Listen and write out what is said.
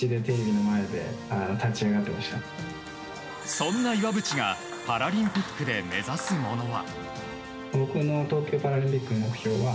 そんな岩渕がパラリンピックで目指すものは。